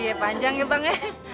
iya panjang ya bang